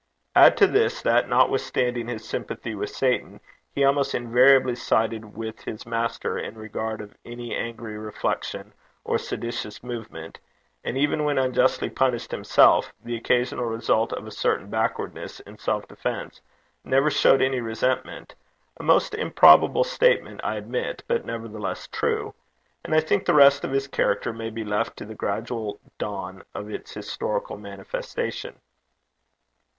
Add to this that, notwithstanding his sympathy with Satan, he almost invariably sided with his master, in regard of any angry reflection or seditious movement, and even when unjustly punished himself, the occasional result of a certain backwardness in self defence, never showed any resentment a most improbable statement, I admit, but nevertheless true and I think the rest of his character may be left to the gradual dawn of its historical manifestation.